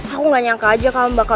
aku gak nyangka aja kalau bakal